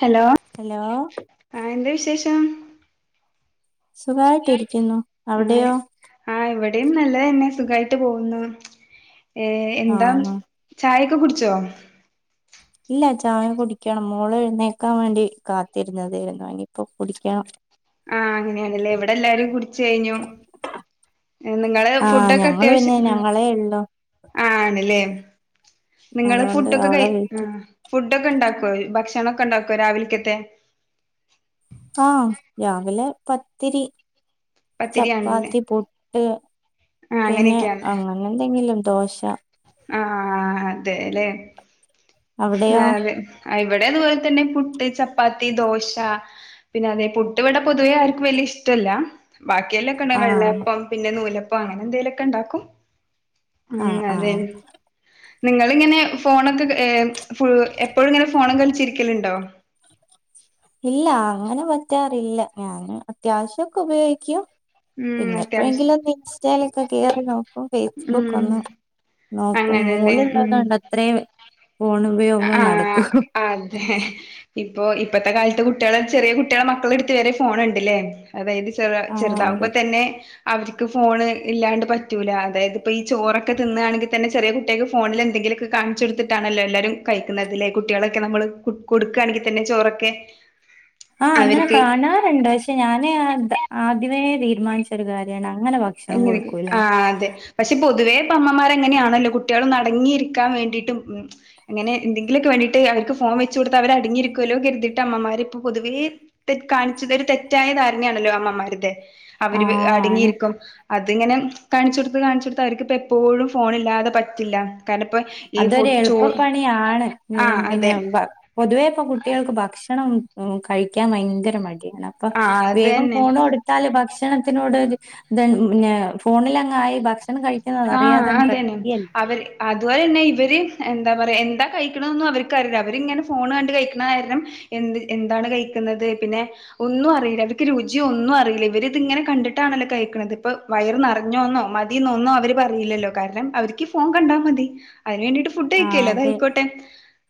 Hello, hello, ആ എന്താ വിശേഷം? സുഖായിട്ടിരിക്കുന്നു. അവിടെയോ? ആഹ് ഇവിടെയും നല്ലത് തന്നെ സുഖായിട്ട് പോകുന്നു. ഏ എന്താ ആഹ് ചായൊക്കെ കുടിച്ചോ? ഇല്ല ചായ കുടിക്കണം. മോള് എഴുന്നേക്കാൻ വേണ്ടി കാത്തിരുന്നതേന്നു ഇനിപ്പോ കുടിക്കണം. ആഹ് അങ്ങനെ അണല്ലേ? ഇവിടെ എല്ലാരും കുടിച്ച് കഴിഞ്ഞു. ഏഹ് നിങ്ങള് ആഹ് ഫുഡൊക്കെ ഞങ്ങള് അത്യാവശ്യം പിന്നെ ഉം ഞങ്ങളേ ഉള്ളു ആഹ് ആണ്ല്ലേ? നിങ്ങള് അതുകൊണ്ട് ഫുഡോക്കെ കൈ അവളെ വീട്ടിൽ ആഹ് ഫുഡോക്കെ ഇണ്ടാക്കോ ഭക്ഷണൊക്കെ ഇണ്ടാക്കോ രാവിൽക്കത്തെ? ആഹ് രാവിലെ പത്തിരി പത്തിരിയാണല്ലേ ചപ്പാത്തി പുട്ട് ആ പിന്നെ അങ്ങനെയൊക്കെയാണ് അങ്ങ അങ്ങനെ എന്തെങ്കിലും ദോശ ആഹ് അതെല്ലേ അവിടെയോ നാല് ഇവിടെതുപോലെതന്നെ പുട്ട് ചപ്പാത്തി ദോശ പിന്നെ അതെ പുട്ടുവിടെ പൊതുവേ ആർക്കും വലിയ ഇഷ്ടല്ല ബാക്കിയെല്ലാക്കെ ഉണ്ടാക്കും ആഹ് വെള്ളയപ്പം പിന്നെ നൂലപ്പം അങ്ങനെ എന്തെലുക്കെ ഉണ്ടാക്കും ഉം ആഹ് അതെ ആഹ് നിങ്ങളിങ്ങനെ ഫോണൊക്കെ എ ഫു എപ്പോഴും ഇങ്ങനെ ഫോണൊക്കെ കളിച്ചിരിക്കലുണ്ടോ ഇല്ല അങ്ങനെ പറ്റാറില്ല ഞാന് അത്യാവശ്യംക്കെ ഉപയോഗിക്കും ഉം പിന്നെ അത്യാവശ്യം എപ്പോഴെങ്കിലുക്കെ ഇൻസ്റ്റായിലൊക്കെ കേയറി നോക്കും ഫേസ്ബുക്ക് ഉം ഒന്ന് നോക്കും അങ്ങനെല്ലേ മോളുള്ളത് ഉം കൊണ്ട ഇത്രെ ഫോണുപയോഗം ആഹ് നടക്കും അതെ ഇപ്പൊ ഇപ്പത്തെ കാലത്ത് കുട്ടികള ചെറിയ കുട്ടികളെ മക്കള എടുത്ത് വരെ ഫോണുണ്ട്ല്ലേ അതെ ഇത് ചെറ ആഹ് ചെറുതാകുമ്പോ അതെ തന്നെ അവര്ക്ക്‌ ഫോണ് ഇല്ലാണ്ട് പറ്റൂല അതായത് ഇപ്പ ഈ ചോറൊക്കെ തിന്നുയാണെങ്കിൽ തന്നെ ചെറിയ കുട്ടിക്ക് ഫോണിൽ എന്തെങ്കിലും ഒക്ക ഇത് കാണിച്ചെടുത്തിട്ടാണല്ലേ എല്ലാരും കഴിക്കുന്നതിലേ കുട്ടികളൊക്കെ നമ്മള് കൊ കൊടുക്കയാണെങ്കിൽ തന്നെ ചോറൊക്കെ ആഹ് അങ്ങനെ അവർക്ക് കാണാറുണ്ട് പക്ഷെ ഞാനേ അത് ആദ്യമേ തീരുമാനിച്ച. ഒരു കാര്യണ് അങ്ങനെ ഭക്ഷണം എങ്ങനെയൊക്കെ കൊടുക്കൂലന്ന് ആഹ് അതെ പക്ഷെ പൊതുവേ ഇപ്പ അമ്മമാർങ്ങനെയാണല്ലോ കുട്ടികള് ഒന്ന് അടങ്ങിയിരിക്കാൻ വേണ്ടിയിട്ട് ഉം അങ്ങനെ എന്തങ്കിലുക്കെ വേണ്ടിട്ട് അവർക്ക് ഫോൺ വെച്ച് കൊടുത്ത അവര അടങ്ങിരിക്കുവല്ലോ കരുതിട്ട അമ്മമാരിപ്പോ പൊതുവേ അത് കാണിചതൊരു തെറ്റായ ധാരണയാണല്ലോ അമ്മമാരുത അവര് ആഹ് ആണ് അടങ്ങിയിരിക്കും അതിങ്ങനെ കാണിച്ചുടത്ത് കാണിച്ചുടത്ത് അവർക്കിപ്പോ എപ്പോഴും ഫോണ് ഇല്ലാതെ പറ്റില്ല കാരണപ്പ അതൊരു എളുപ്പപ്പണിയാണ് ആഹ് ഏഹ് അതെ പിന്നെ പൊതുവേ ഇപ്പൊ കുട്ടികൾക്ക് ഭക്ഷണം മം കഴിക്കാൻ ഭയങ്കര മടിയാണ് അപ്പം ആഹ് അത് വേഗം തന്നെ ഫോണ് കോട് കൊടുത്താല് ഭക്ഷണത്തിനോട് ഒരു ഇത് പിന്നെ ഫോണിലങ്ങായി ഭ എന്ന് കഴിക്കുന്നത അറിയാതങ്ങ് കഴിക്കൽ അതുപോലെ തന്നെ ഇവര് എന്താ പറയു എന്താ കഴിക്കണൊന്നും അവർക്കറിയൂല അവരിങ്ങനെ ഫോണ് കണ്ട് കഴിക്കണ കാരണം എന്ത് എന്താണ് കഴിക്കുന്നത് പിന്നെ ഒന്നു അറിയില്ല അവർക്ക് രുചിയ ഒന്നു അറിയില്ല ഇവരി ഇത് ഇങ്ങനെ കണ്ടിട്ടാണല്ലോ കഴിക്കണത് ഇപ്പൊ വയറ് നിറഞ്ഞോന്നോ മതീന്നൊ ഒന്നും അവര് അറിയില്ലല്ലോ കാരണം അവർക്ക് ഫോൺ കണ്ടാ മതി അതിന് വേണ്ടിട്ട് ഫുഡ് ആഹ് കഴിക്കുല്ലേ അതെ അതായിക്കോട്ടെ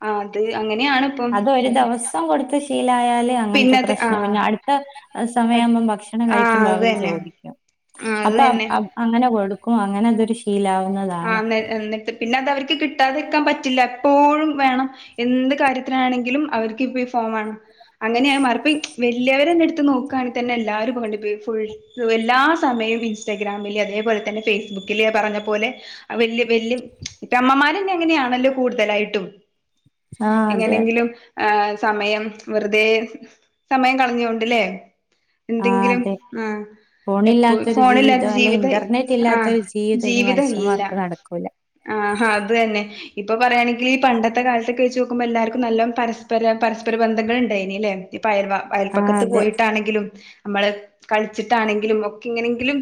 ആഹ് അത് അങ്ങനെയാണ് ഇപ്പം അത് ഒരു ദിവസം കൊടുത്ത് ശീലായാല് അങ്ങനത്തെ പിന്നത് പ്രശ്നം ആഹ് പിന്നെ അടുത്ത അത് സമയാവുമ്പം ഭക്ഷണം കഴിക്കുമ്പോ അവര് ചോദിക്കും ഉം അത് അപ്പൊ അ- തന്നെ അ- അങ്ങനെ കൊടുക്കും അങ്ങനെ അതൊരു ശീലാവുന്നത് ആഹ് അന്നേ എന്നിട്ട് പിന്നെ അത് അവര്ക് കിട്ടാതിരിക്കാൻ പറ്റില്ല എപ്പോഴും വേണം എന്ത് കാര്യത്തിനാണെങ്കിലും അവർക്ക് ഇപ്പ ഈ ഫോൺവേണം അങ്ങനെയാ മറപ്പ വലിയവരന്നെ എടു എടുത്ത് നോക്കണെങ്കി തന്നെ എല്ലാരും ഇപ്പൊ ഫുള് എല്ലാ സമയം ഇൻ സ്റ്റഗ്രാമില് അതേപോലെ തന്നെ ഫേസ്ബുക്കില് പറഞ്ഞ പോലെ വല് വല് ഇപ്പ അമ്മമാരന്നെ എങ്ങനെയാണല്ലോ കൂടുതലായിട്ടും ആ അതെ അതെ എങ്ങനെങ്കിലും ആഹ സമയം വെറുതെ സമയം കളഞ്ഞുകൊണ്ടില്ലേ എന്തെങ്കിലും ഉം ഫോണ് ഇല്ലാത്തൊരു ജീവിതം അല്ലെ ഇന്റർനെറ്റ് ആ ഇല്ലാത്ത ഒരു ജീവിതം ഇനി മനുഷ്യന്മാർക്ക് നടക്കൂല ആഹാ അതന്നെ ഇപ്പൊ പറയാണെങ്കില് ഈ പണ്ടത്തെ കാലത്തൊക്കെ വെച്ച് നോക്കുമ്പോ എല്ലാർക്കും നല്ല പരസ്പര പരസ്പര ബന്ധങ്ങൾ ഉണ്ടായിന ല്ലേ ഇപ്പ അയൽവ ആ അയൽപക്കത്ത് അതെ പോയിട്ടാണെങ്കിലും നമ്മള് കളിച്ചിട്ടാണെങ്കിലും ഒക്കെ ഇങ്ങനെയെങ്കിലും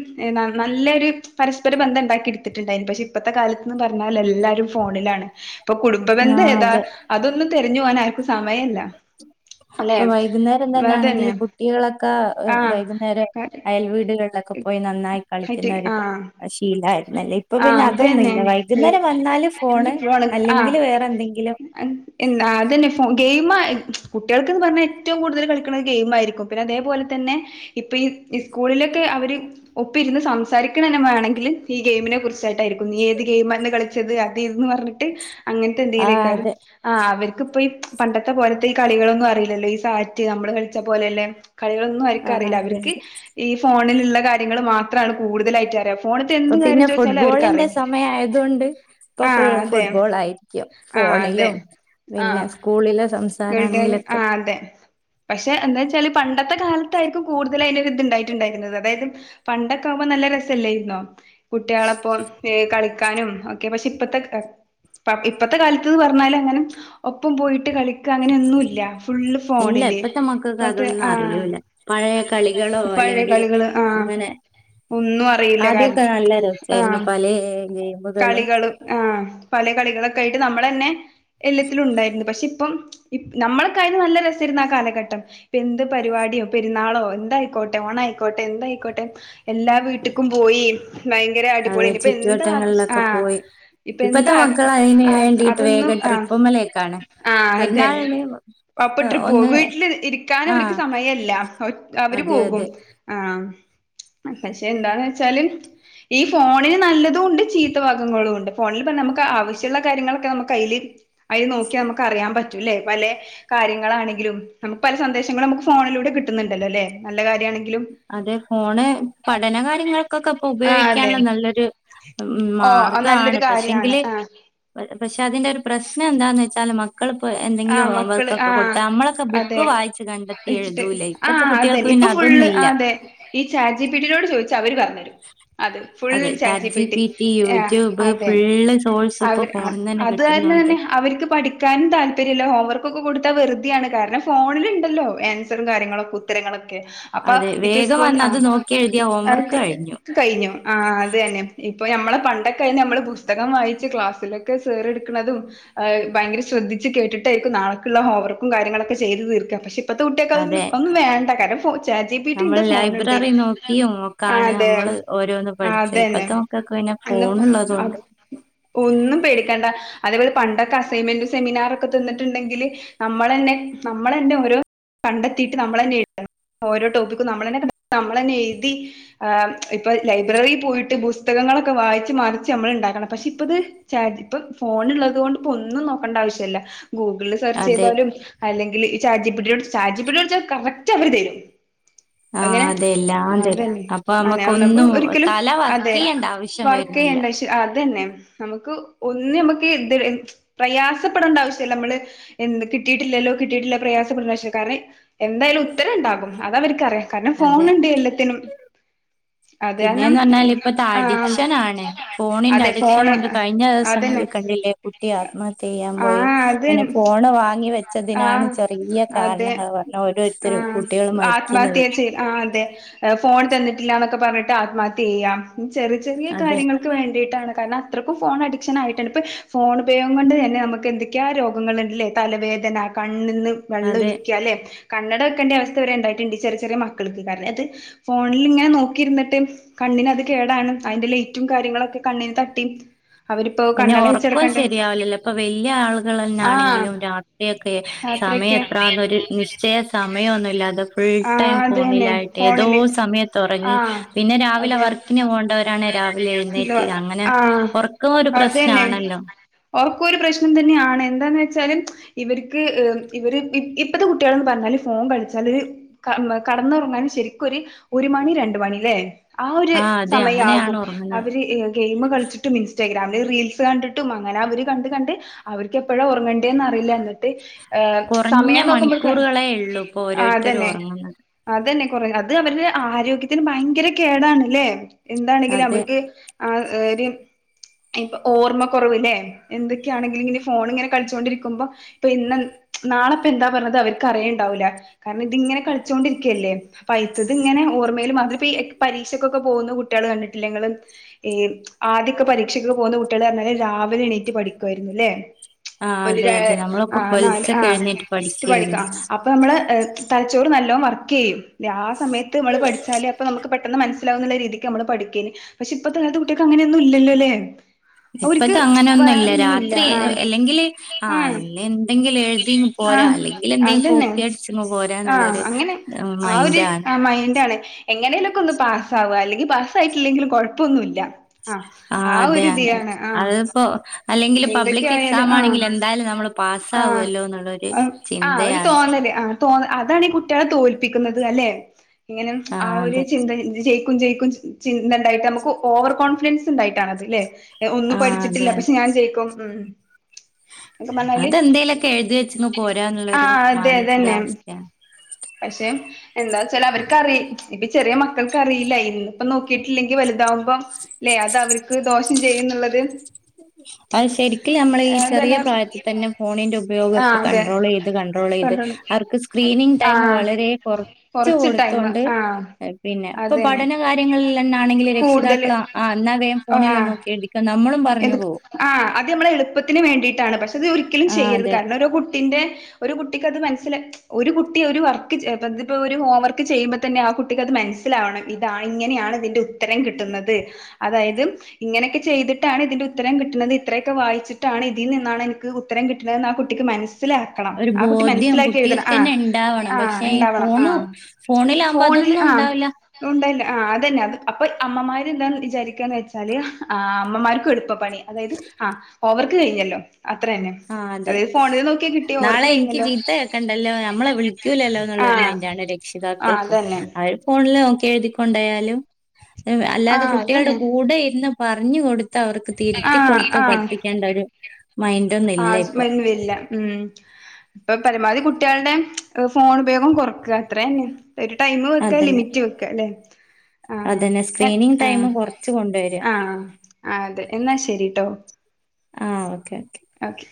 നല്ലൊരു പരസ്പര ബന്ധം ഉണ്ടാക്കി എടുത്തിട്ട് ണ്ടായിരുന്നു പക്ഷെ ഇപ്പഴത്തെ കാലത്ത്ന്ന് പറഞ്ഞാൽ എല്ലാരും ഫോണിലാണ് ഇപ്പൊ കുടുംബ ആ ബന്ധം ഏതാ അതെ അതൊന്നും തിരഞ്ഞു പോവാൻ ആർക്കും സമയമില്ല ഇപ്പൊ വൈകുന്നേരം അതന്നെ തന്നൊണെങ്കില് കുട്ടികളൊക്കെ ആഹ് വൈകുന്നേരം ആഹ് അയൽ വീടുകളിലൊക്കെ പോ പോയി നന്നായി കളിക്കുന്ന ഒരു ശീല ആരുന്നല്ലേ ഇപ്പൊ ആഹ് പിന്നെ അത് അതൊന്നും തന്നെ ഇല്ല വൈ ഇതുന്നരം വന്നാല് ഫോണ് അല്ലെങ്കില് വേറെ എന്തെങ്കിലും എന്നാ അത് തന്നെ ഫോണ് ഗെയിമ് കുട്ടികൾക്ക്ന്ന് പറഞ്ഞാൽ ഏറ്റവും കൂടുതൽ കളിക്കണത് ഗെയിം ആയിരിക്കും പിന്നെ അതേപോലെ തന്നെ ഇപ്പൊ ഈ സ്കൂളില് ഒപ്പ ഇരുന്ന് സംസാരിക്കണെ വേണമെങ്കിൽ ഈ ഗെയിമിനെ കുറിച്ചായിട്ടായിരിക്കും നീ ഏത് ഗെയിം ആണ് കളിക്ക ത് തട്ടിരുന്ന് പറഞ്ഞിട്ട് അങ്ങനത്തെ ആ എന്തെങ്കിലേക്കാലും അതെ ആഹ് അവർക്ക് ഇപ്പ ഈ പണ്ടത്തെ പോലത്തെ ഈ കളികളൊന്നും അറിയില്ലല്ലോ ഈ സാറ്റ് നമ്മള് കളിച്ച പോലെയല്ലെ കളികളൊന്നും അവർക്ക് ആ അറിയില്ല അതെ അവർക്ക് അതെ ഈ ഫോണിലുള്ള കാര്യങ്ങൾ മാത്രമാണ് കൂടുതലായിട്ട് അറിയ ഇപ്പൊ പിന്നെ ഫുട്ബോളിന്റെ സമയം ആയതു കൊണ്ട് ഇപ്പൊ ആഹ് ഫുൾ അതെ ഫുട്ബോൾ ആയി ആഹ് അതെ ഫോണിലും പിന്നെ ആഹ് സ്കൂളിലെ സംസാര ഗൾഡൻ ആണെങ്കിലൊക്കെ ആഹ് അതെ പക്ഷെ എന്താ വെച്ചാല് പണ്ടത്തെ കാലത്തായിരിക്കും കൂടുതൽ അതിൻ്റെ ഒരു ഇതുണ്ടായി ണ്ടായിരുന്നത് അതായത് പണ്ടൊക്കെ ആവുമ്പോ നല്ല രസല്ലായിരുന്നോ കുട്ടികളപ്പൊ കളിക്കാനും ഒക്കെ പക്ഷെ ഇപ്പത്തെ ആഹ് ഇപ്പഴത്തെ കാലത്ത്ന്ന് പറഞ്ഞാല് അങ്ങനെ ഒപ്പം പോയിട്ട് കളി അങ്ങനെ ഒന്നുമില്ല ഫുള്ള് ഇല്ല ഫോണില് ഇപ്പത്തെ മക്കൾക്ക് ഇപ്പഴത്തെ അതൊന്നും ആഹ് അറിയൂല പഴയ കളികളോ പഴയ അല്ലെങ്കില് കളികള് ആഹ് അങ്ങനെ ഒന്നും അറിയില്ല ആദ്യൊക്കെ കാര്യം നല്ല രസായിരുന്നു ആഹ് പലേ കളി ഗെയിമുകളും ളും ആഹ് പല കളികളൊക്കെ ആയിട്ട് നമ്മള് തന്നെ എല്ലാത്തിലും ഉണ്ടായിരുന്നു പക്ഷെ ഇപ്പം ഇപ് നമ്മളകായിന് നല്ല രസമായിരുന്നു ആ കാലഘട്ടം ഇപ്പം എന്ത് പരിപാടിയോ പെരുന്നാളോ എന്തായിക്കോട്ടെ ഓണം ആയിക്കോട്ടെ എന്തായിക്കോട്ടെ എല്ലാ വീട്ടുക്കും പോയി ഭയങ്കര അടിപൊളി അതെ ആയിന് ഇപ്പൊ എന്ത് ആഘോ ചുറ്റുവട്ടങ്ങളിലൊക്കെ ആഹ് പോയി ഇപ്പം ഇപ്പത്തെ എന്താ മക്കൾ അതിന് ആഹ് വേണ്ടിട്ട് അതൊന്നും വേഗം ആഹ് ട്രിപ്പുമ്മലേക്കാണ് ആഹ് അതന്നെ പെരുന്നാളിന് അപ്പ ട്രിപ്പ് പോകും ഒന്ന് വീട്ടില് ഇരിക്കാൻ ആ അവർക്ക് സമയമില്ല ഒ അവര് അതെ പോകും അതെ ആഹ് പക്ഷെ എന്താന്ന് വെച്ചാല് ഈ ഫോണിന് നല്ലതും ഉണ്ട് ചീ ത്തഭാഗങ്ങളും ഉണ്ട് ഫോണിൽപിന്നെ നമുക്ക് ആവശ്യമുള്ള കാര്യങ്ങളൊക്കെ നമുക്ക് അയില് അയിൽ നോക്കിയാൽ നമുക്ക് അറിയാൻ പറ്റൂലേ പലെ കാര്യങ്ങളാണെങ്കിലും നമുക്ക് പല സന്ദേശങ്ങളും നമുക്ക് ഫോണിലൂടെ കിട്ടുന്നുണ്ടല്ലോ അല്ലെ നല്ല കാര്യമാണെങ്കിലും അതെ ഫോണ് പഠന കാര്യങ്ങൾക്കൊക്കെ ആഹ് അതെ ഉപയോഗിക്കാനുള്ള നല്ലൊരു ഓ മാർഗാണ് നല്ലൊരു കാര്യാണ് പക്ഷെങ്കില് ആഹ് പക്ഷെ അതിന്റെ ഒരു പ്രശ്നം എന്താന്ന് വെച്ചാൽ മക് മക്കളിപ്പോ എന്തെങ്കിലും ആഹ് ഹോം മക്കള് വർക്കൊക്കെ ആഹ് കൊടുത്താൽ നമ്മളൊക്കെ ബുക്ക് അതെ വായിച്ച് കണ്ടെത്തി വെച്ചിട്ട് എഴുതൂലേ ഇപ്പത്തെ ആഹ് അതെ കുട്ടികൾക്ക് പിന്നെ ഇപ്പൊ അതൊന്നും ഫുള്ള് ഇല്ല അതെ ഈ ചാ ജി പി ടി നോട് ചോദിച്ചാ അവര് പറഞ്ഞുതരും അത് ഫുൾ അതെ ചാറ്റ് ജി പി ടി ആഹ് യൂട്യൂബ് അതെ ഫുള്ള് സോഴ്സ് ഇപ്പൊ അവർ അത് ഫോണിന്ന് തന്നെ അത് കിട്ടുന്നോണ്ട് തന്നെ അവർക്ക് പഠിക്കാനും താല്പര്യം താൽപര്യമില്ല ഹോംവർക്ക് ഒക്കെ കൊടുത്താ വെറുതെയാണ് കാരണം ഫോണിൽ ഉണ്ടല്ലോ ആൻസറും കാര്യങ്ങളും ഒക്കെ ഉത്തരങ്ങളൊക്കെ അപ്പ അതെ ഇപ്പൊ വേഗം സ്കൂ വന്ന് അത് ആഹ് നോക്കി എഴുതിയ അ ഹോംവർക്ക് കഴിഞ്ഞു കഴിഞ്ഞു ആഹ് അത് തന്നെ ഇപ്പൊ നമ്മളെ പണ്ടൊക്കെ ആയിരുന്നേൽ നമ്മള് പുസ്തകം വായിച്ച് ക്ലാസ്സിലൊക്കെ സാറെടുക്കുന്നതും ഭയങ്കര ശ്രദ്ധിച്ച ച് കേട്ടിട്ടായിരിക്കും നാളക്കുള്ള ഹോംവർക്കും കാര്യങ്ങളൊക്കെ ചെയ്ത് തീർക്കുക പക്ഷെ ഇപ്പൊഴത്തെ കുട്ടികൾക്ക് അത് ഒന്നും അതെ ഒന്നും വേണ്ട കാരണം ചാറ്റ് ജിപിറ്റി നമ്മൾ ഇണ്ട് ഫോണുണ്ട് ലൈബ്രറി നോക്കിയും ആഹ് ഒക്കാണ് അതെ നമ്മള് ഓരോന്ന് ആഹ് പഠിച്ചെ അതന്നെ ഇപ്പത്തെ മക്കൾക്ക് പിന്നെ ഇന്നിപ്പ ഫോണുള്ളത് അപ് കൊണ്ട് ഒന്നും പേടിക്കണ്ട അതേപോലെ പണ്ടൊക്കെ അസൈൻമെന്റ് സെമിനാർ ഒക്കെ തിന്നിട്ടുണ്ടെങ്കിൽ നമ്മളൾ തന്നെ നമ്മൾ തന്നെ ഓരോ കണ്ടെത്തിയിട്ട് നമ്മൾ തന്നെ എഴുതണം ഓരോ ടോപ്പിക്കും നമ്മളുതന്നെ കണ്ടത്തി നമ്മൾ തന്നെ എഴുതി ആ് ഇപ്പ ലൈബ്രറിൽ പോയിട്ട് പുസ്തകങ്ങളൊക്കെ വായിച്ച് മാറിച്ച് നമ്മൾ ഇണ്ടാക്കണം പക്ഷെ ഇപ്പ ഇത് ചജ ഇപ്പൊ ഫോണ ഉള്ളത് കൊണ്ട് ഇപ്പ ഒന്നും നോക്കണ്ട ആവശ്യമല്ല ഗൂഗിളിൽ സെർച്ച് അതെ ചെയ്താലും അല്ലെങ്കിൽ ഈ ചാറ്റ് ജി പ്പീ ട്ടിയോട് ചാറ്റ് ജി പിടി യോട് ചെയ്ച്ച കറക്റ്റ് അവര് തരും ആഹ് ഏങ്ങനെ അതെ എല്ലാം തരും. അതന്നെ അപ്പൊ അനെ വന്ന്പ നമ്മക്കൊന്നും ഒരിക്കലും തല അതെ വർക്ക് ചെയ്യേണ്ട ആവശ്യം വർക്ക് വരുന്നില്ല. യ്യണ്ട സ് അതന്നെ നമുക്ക് ഒന്ന് മ്മക്ക് തില് പ്രയാസപ്പെടേണ്ട ആവശ്യ ത്തിൽ നമ്മള് എന്ത് കിട്ടിയിട്ടില്ലല്ലോ കിട്ടിയിട്ടില്ലോ പ്രയാസപ്പെടണം ശേ കാരണം എന്തായാലും ഉത്തരം ണ്ടാകും അത അവർക്ക്റിയാം കാരണം ഫോണുണ്ട് എല്ലാത്തിനും അത് കാരണം പിന്നെന്ന് പറഞ്ഞാൽ ഇപ്പത്തെ ആഹ് അഡിക്ഷൻ ആണ് ഫോണിന്റെ അതെ അഡിക്ഷൻ ഫോണ് കൊണ്ട് കഴിഞ്ഞ ദിവസങ്ങളിൽ അതന്നെ കണ്ടില്ലേ കുട്ടി ആത്മഹത്യ യ്യാൻ പോയി ആഹ് അത് പിന്നെ ഫോണ് വാങ്ങി വ ച്ചതിനാണ് ആഹ് ചെറിയ അതെ കാരണങ്ങൾ പറഞ്ഞ ഓരോരുത്തരും ആഹ് കുട്ടികൾ മരിക്കുന്നത് ആത്മഹത്യ ചെയ് ആഹ് അതെ ഫോൺ തന്നിട്ടില്ലന്നൊക്കെ പറഞ്ഞിട്ട് ആത്മഹത്യ ചെയ്യാം ചെറിയ ചെറിയ അതെ കാര്യങ്ങൾ ക്ക് വേണ്ടിട്ടാണ് കാരണം അത്രക്കും ഫോൺ അഡിക്ഷൻ ആയിട്ട് ഇപ്പൊ ഫോൺ ഉബയോഗം കൊണ്ട് തന്നെ നമുക്ക് എന്ത ക്ക രോഗങ്ങളുണ്ട്ല്ലേ തലവേദന കണ്ണ് ന്നു വെള്ളം അതെ ഒലിക്ക ലെ കണ്ണട വെക്കേണ്ട അവസ്ഥ വരെ ണ്ടായിട്ടുണ്ട് ചെറിയ ചെറിയ മക്കൾക്ക് കാരണം അത് ഫോണിൽ ങ്ങനെ നോക്കിയിരിന്നിട്ട് കണ്ണിനത് കേടാണ് അയിന്റെ ലൈറ്റും കാര്യങ്ങളൊക്കെ കണ്ണിന് തട്ടി അവരിപ്പോ പിന്നെ കണ്ണട ഉറക്കം വെച്ചെടുക്കണ്ടേ ശരിയാവലല്ലോ ഇപ്പൊ വെല്ല്യ ആളുകൾ ആഹ് ന്നാണെങ്കിലും രാ ക്ക സമയം യാത്രയൊക്കെ എത്രാ ഒരു നിശ്ചയ സമയമൊന്നുല്ലാതെ ഫുൾ ആ ടൈം അതന്നെ ഫോണിലായിട്ട് ഏതോ ഫോണില് സമയത്ത് ആ ഒറങ്ങി പിന്നെ രാവിലെ അതെ വർ ക്കിന് പോകേണ്ടവരാണ് രാവിലെ എഴുന്നേറ്റ് അങ്ങനെ ആ ഒരു അതന്നെ പ്രശ്നാണല്ലോ ഓർക് ഒരു പ്രശ്നം തന്നെയാണ് എന്താന്ന് വെച്ചാല് ഇവർക്ക് ഹെ ഇവര് ഇ ഇപ്പത്തെ കുട്ടികളന്ന് പറഞ്ഞാല് ഫോൺ കളിച്ചാല് ക കടന്നുറങ്ങാനും ശരിക്കും ഒരു ഒരു മണി രണ്ടു മണി ല്ലേ ആഹ് ഒരു അതെ അങ്ങനെയാണ് സമയകും ഉറങ്ങുന്നത് അവര് ഹെ ഗെയിം കളിച്ചിട്ടും ഇൻസ്റ്റാഗ്രാമിൽ റീൽസ് കണ്ടിട്ടും അങ്ങനെ അവർ കണ്ട് കണ്ട് അവർക്ക് എപ്പഴാ ഒറങ്ങേണ്ടേന്ന് അറിയില്ല ന്നിട്ട് ഏ കുറഞ്ഞ സമയം നോക്കുമ്പോക്ക് ആ അതന്നെ അങ്ങനെ അതന്നെ കൊരെ അത് അവരുടെ ആരോഗ്യത്തിന് ഭയങ്കര കേടാണ് ല്ലേ എന്താണെങ്കിലും അതെ അവർക്ക് ആ എ ര് ഇപ്പൊ ഓർമ്മ കുറവ് ല്ലേ എന്തൊക്കെയാണെങ്കിൽ ഇങ്ങനെ ഫോണി ങ്ങനെ കളിച്ചൊണ്ടിരിക്കുമ്പോ ഇപ്പൊ ഇന്ന് നാളെപ്പ എന്താ പറഞ്ഞത് അവർക്ക് അറിയുണ്ടാവില്ല കാരണം ഇതിങ്ങനെ കളിച്ചോണ്ടിരിക്കല്ലേ അപ്പൊ അയ്ത്തത് ങ്ങനെ ഓർമ്മയിൽ മാത്രം പരീക്ഷക്കൊക്കെ പോകുന്ന കുട്ടികൾ കണ്ടിട്ടില്ലെ ങ്ങള് ഈ ആദ്യൊക്കെ പരീക്ഷക്ക് പോകുന്ന കുട്ടികൾ പറഞ്ഞാലല് രാവിലെ എണീറ്റ് പഠിക്കായിരുന്നു ല്ലേ ആഹ് ഒരു അതെ രെ അതെ ആ നമ്മളൊക്കെ നാല് ആ പൊലിച്ചൊക്കെ എഴുന്നേറ്റ് റ്റ് പഠിക്ക പഠിക്കായിരുന്നു ആഹ അ അപ്പൾ നമ്മള് തലച്ചോറ് നല്ലോണം വർക്ക് ചെയ്യും ആ സമയത്ത് നമ്മള് പഠിച്ചാല് അപ്പ നമുക്ക് പെ ട്ടെന്ന് മനസ്സിലാവുന്നുള്ള രീതിക്ക് നമ്മള് പഠിക്കേന് പക്ഷെ ഇപ്പത്തൊലത്ത് കുട്ടികക്ക് അങ്ങനൊന്നും ഇല്ലോല്ലേ ലെ ഇപ്പത് അങ്ങനെൊന്നും ഇല്ല രാത്രി ആ അല്ലെങ്കില് ആ എല്ല എന്തെങ്കിലും എഴുതി ആ പോരാ അല്ലെങ്കിൽ എന്തെങ്കിലും അതന്നെ കോപ്പി അടിച്ചങ്ങ് പോരാ ആ ന്നുള്ളൊരു അങ്ങനെ ആ ഒരു മൈൻണ്ടാണ് എങ്ങനെലൊക്കെ ഒന്ന് പാസ് ആവാ അല്ലെങ്കിൽ പാസ് ആയിട്ടില്ലെങ്കിലും കുഴപ്പൊന്നു ല്ല ആഹ് ആ അതെ അങ്ങനെ ഒരുതിയാണ് ആഹ അതിപ്പോ അല്ലെങ്കിൽ എന്തൊക്കെയ പബ്ലിക് ആയാലും എക്സാം ആഹ ആണെങ്കിൽ എന്തായാലും നമ്മൾ ആഹ് പാസ്സാവുമല്ലോ എന്നുള്ളൊരു ഹ് ആഹ് ഒരു ചിന്തയാണ് തോന്നൽ ആഹ് തോ അതാണ് ഈ കുട്ടികളെ തോൽപ്പിക്കുന്നത് അല്ലെ ഇങ്ങനെ ആ ഒരു ചിന്ത ജയ് യിക്കും ജയിക്കും ചിന്തണ്ടായിട്ട് നമുക്ക് ഓവർ കോൺഫിഡൻസ് ണ്ടായിട്ടാണ് അത് ലെ ഒന്നും ആ അതെ പഠിച്ചിട്ടില്ല പക്ഷെ അതെ ഞാൻ ജയിക്കും ഉം സത്യം പറഞ്ഞാല് അതെന്തേലൊക്കെ എഴുതി വെച്ചിങ്ങ് പോരാന്നുള്ളൊരു ആഹ് അതെ അതന്നെ മാനസികാവസ്ഥയാണ് പക്ഷേ എന്താ വച്ചാൽ അവർക്ക്റി ഇപ്പ ചെറിയ മക്കൾക്ക് അറിയില്ല ഇന്ന്പ്പ നോക്കിയിട്ടില്ലെങ്കിൽ വലുതാവ അപ്പ ഇല്ലെ അത് അവർക്ക് ദോഷം ചെയ്യും എന്നുള്ളത് [unintelligible] അത് ശരിക്കില്ലെ നമ്മൾ ഈ ചെറിയ തന്നെ പ്രായത്തിൽ തന്നെ ഫോണിന്റെ ഉപയോഗം ഒക്കെ ആഹ് അതെ കണ്ട്രോൾ ചെയ്ത് കണ്ട്രോൾ ചെയ്ത് കണ്ടണ്ട് അർക്കസ് സ്ക്രീനിങ് ടൈം ആഹ് വളരെ കൊറച്ച് ടൈമ് കൊടുത്തോണ്ട് ആഹ് പിന്നെ ഇപ്പൊ അതന്നെ പഠന കാര്യങ്ങളിൽന്നാണെങ്കിൽ കൂടുതല് രക്ഷിതാക്കള് ആഹ് എന്നാ വേഗം ഫോണിൽ ആഹ് നോക്കി എഴുതിക്കോ എന്ന് നമ്മളും എത് പറഞ്ഞു പോകും. ആഹ് അത് നമ്മളെ എളുപ്പത്തിന് വേണ്ടിയിട്ടാണ് പക്ഷെ അത് ഒരിക്കലും ആ ചെയ്യരുത് അതെ കാരണം ഒരു കുട്ടിന്റെ ഒരു കുട്ടിക്കത് മനസ്സില ഒരുകു കുട്ടി ഒരു വർക്ക് ഇതിപ്പോ ഒരു ഹോം വർക്ക് ചെയ്യുമ്പോൾ തന്നെ ആഹ് കുട്ടിക്കത് മനസ്സിലാവണം ഇതാണ് ഇങ്ങനെയാണ് ഇതിന്റെ ഉത്തരം കിട്ടുന്നത് അതായത് ഇങ്ങനക്കെ ചെയ്തിട്ടാണ് ഇതിന്റെ ഉത്തരം കിട്ടണത് ഇത്രയൊക്കെ വായിച്ചിട്ടാണ് ഇതിൽ നിന്നാണ് എനിക്ക് ഉ ഉത്തരം കിട്ടണന്ന് ആഹ് കുട്ടിക്ക് മനസ്സിലാക്കണം ഒരു ആഹ് കുട്ടി ബോധ്യം മനസ്സിലാക്കി എഴുതണം കുട്ടികൾക്ക് ആഹ് തന്നെ ഉണ്ടാവണം ആഹ് പക്ഷെ ഈ ഇണ്ടാവണം ഫോണ് ആഹ് ഫോണിലാകുമ്പോ ഫോണില് അതൊന്നും ആഹ് ഉണ്ടാവില്ല ഉണ്ടല്ല ആഹ് അതന്നെ അത് അപ്പൊ അമ്മമാര് എന്താന്ന് വിചാരിക്കാന്ന് വെച്ചാല് ആഹ് അമ്മ്മാർക്കും എളുപ്പം പണി അതായത് ആഹ് ഓവർക്ക് കഴിഞ്ഞല്ലോ അത്ര തന്നെ ആ അതെ അതായത് ഫോണിൽ നോക്കിയാ കിട്ടിയോ ഓർക്ക് കഴിഞ്ഞല്ലോ കണ്ടല്ലോ നമ്മളെ വിളിക്കൂലല്ലോ എന്നുള്ളരു ആഹ് മൈൻഡാണ് ആഹ് രക്ഷിതാക്കൾക്കും അതന്നെ അവര് ഫോണില് നോക്കി എഴുതികൊണ്ടായാലും അല്ലാതെ ആഹ് കുട്ടികളുടെ അതന്നെ കൂടെ ഇരുന്ന് പറഞ്ഞു കൊടു ത്ത് അവർക്ക് തിരുത്തി ആഹ് കൊടുത്ത് ആഹ് പഠിപ്പിക്കേണ്ട ഒരു മൈൻഡ് [unintelligible] ഉം ഇപ്പൊ പരമാവധി കുട്ടികള്ടെ ഫോൺ ഉപയോഗം കൊറക്കുക അത്ര തന്നെ ഒരു ടൈം വെക്കാ അതന്നെ ലിമിറ്റ് വെക്കാ അല്ലെ ആഹ് അതന്നെ ഓക്കെ സ്ക്രീനിങ് ടൈമ് ആഹ് കൊറച്ച് കൊണ്ടുവരിക ആഹ് ആഹ് അതെ എന്നാ ശരിട്ടോ ആഹ് ഓക്കെ ഓക്കെ ഓക്കെ